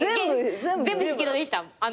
全部引き戸でした。